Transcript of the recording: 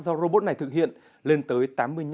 do robot này thực hiện lên tới tám mươi năm